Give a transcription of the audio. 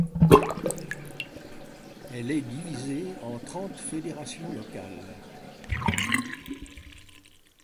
Elle est divisée en trente fédérations locales.